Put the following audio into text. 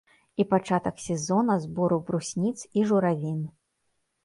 І пачатак сезона збору брусніц і журавін.